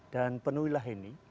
dan penuhilah ini